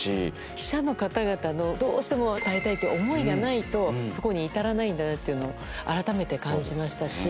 記者の方々のどうしても伝えたいっていう思いがないとそこに至らないんだなっていうのを改めて感じましたし。